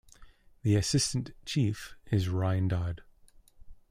The Assistant Chief is Ryan Dodd.